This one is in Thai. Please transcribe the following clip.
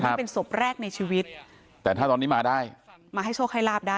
นี่เป็นศพแรกในชีวิตแต่ถ้าตอนนี้มาได้มาให้โชคให้ลาบได้